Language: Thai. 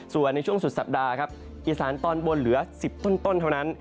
ส่วนในช่วงสุดสัปดาห์ครับอีสานตอนบนเหลือ๑๐ต้นเท่านั้น